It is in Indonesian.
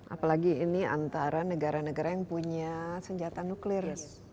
apalagi ini antara negara negara yang punya senjata nuklir